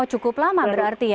cukup lama berarti ya